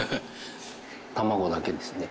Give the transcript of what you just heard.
卵だけですね。